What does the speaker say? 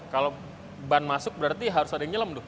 kalau ban masuk berarti harus ada yang nyelam tuh